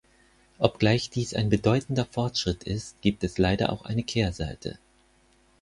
Obgleich dies ein bedeutender Fortschritt ist, gibt es leider auch eine Kehrseite.